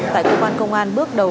tại cơ quan công an bước đầu